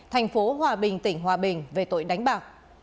thành phố hòa bình tỉnh hòa bình về tội đánh bạc